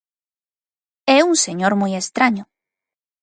É un señor moi estraño.